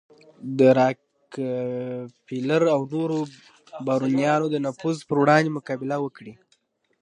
د راکفیلر او نورو بارونیانو د نفوذ پر وړاندې مقابله وکړي.